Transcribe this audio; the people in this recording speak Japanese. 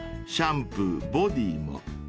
シャンプーボディーも］